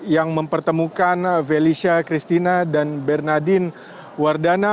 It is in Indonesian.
yang mempertemukan felicia christina dan bernardin wardana